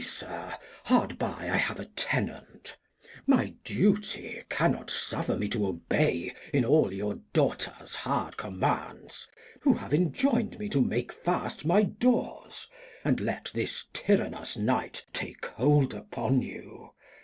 Sir, hard by I have a Tenant. 2i6 The History of [Act iii My Duty cannot suffer me to obey in all your Daugh ters hard Commands, who have enjojm'd me to make fast my Doors, and let this tyrannous Night take hold upon you.